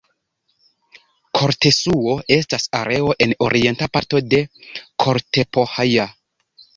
Kortesuo estas areo en orienta parto de Kortepohja.